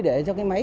để cho cái máy